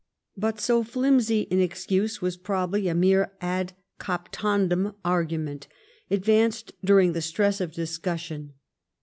But so flimsy an excuse was probably a mere ad captandum argument advanced during the stress of discussion.